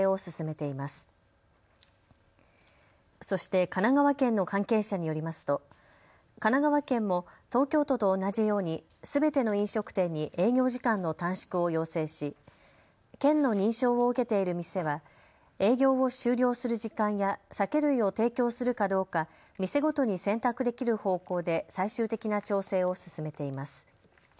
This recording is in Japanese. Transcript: そして神奈川県の関係者によりますと神奈川県も東京都と同じようにすべての飲食店に営業時間の短縮を要請し、県の認証を受けている店は営業を終了する時間や酒類を提供するかどうか店ごとに選択できる方向で最終的な調整を進めています。